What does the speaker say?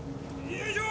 よいしょ！